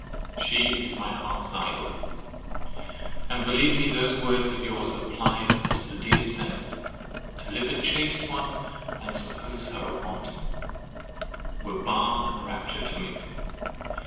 She is my heart's idol; and believe me those words of yours applied to the dear saint—"To lip a chaste one and suppose her wanton"—were balm and rapture to me.